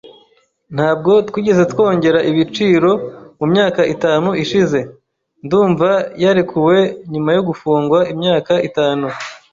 Ntabwo twigeze twongera ibiciro mumyaka itanu ishize. Ndumva yarekuwe nyuma yo gufungwa imyaka itanu.